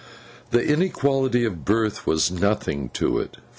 The inequality of Birth was nothing to it.